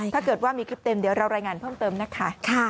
ถ้าเกิดว่ามีคลิปเต็มเดี๋ยวเรารายงานเพิ่มเติมนะคะ